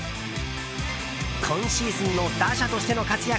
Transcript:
今シーズンの打者としての活躍